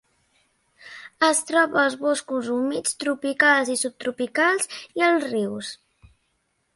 Es troba als boscos humits tropicals i subtropicals, i als rius.